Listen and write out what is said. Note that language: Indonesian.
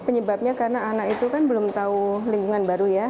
penyebabnya karena anak itu kan belum tahu lingkungan baru ya